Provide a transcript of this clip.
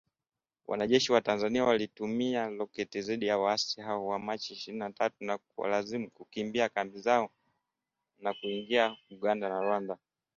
Wanajeshi wa Tanzania wakitumia roketi dhidi ya waasi hao wa Machi ishirini na tatu na kuwalazimu kukimbia kambi zao na kuingia Uganda na Rwanda